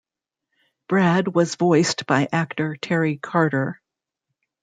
Brad was voiced by actor Terry Carter.